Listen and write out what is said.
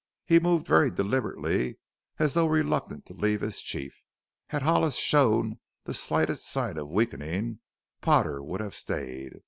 He moved very deliberately, as though reluctant to leave his chief. Had Hollis shown the slightest sign of weakening Potter would have stayed.